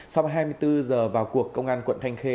sau hai mươi bốn giờ vào cuộc công an quận thanh khê